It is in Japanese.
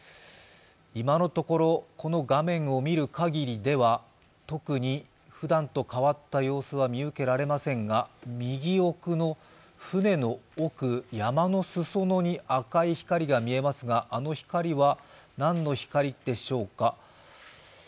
今のところ、この画面を見るかぎりでは特にふだんと変わった様子は見受けられませんが右奥の船の奥、山のすそ野に赤い光が見えますが、あの光は何の光でしょうか。